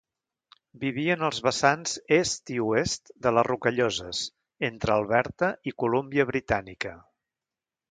Vivien als vessants est i oest de les Rocalloses, entre Alberta i Colúmbia Britànica.